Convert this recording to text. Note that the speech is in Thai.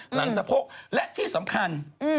สะโพกและที่สำคัญ